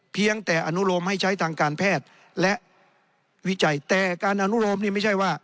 เพียงแต่อนุโลมให้ใช้ทางการแพทย์และวิจัยแต่การอนุโลมนี่ไม่ใช่ว่า